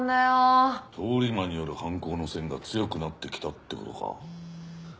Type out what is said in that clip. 通り魔による犯行の線が強くなってきたって事か。